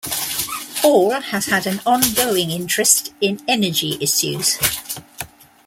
Hall has had an ongoing interest in energy issues.